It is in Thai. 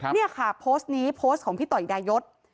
นี่ค่ะโพสต์นี้โพสต์ของพี่ต่อยดายศ